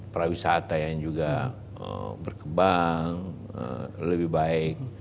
prawisata yang juga berkembang lebih baik